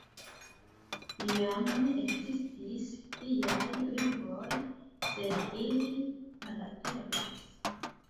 Iam ekzistis pliaj lingvoj, sed ili malaperis.